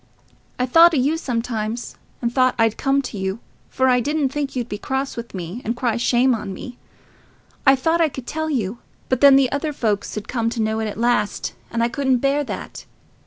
I thought o' you sometimes, and thought I'd come to you, for I didn't think you'd be cross with me, and cry shame on me. I thought I could tell you. But then the other folks 'ud come to know it at last, and I couldn't bear that.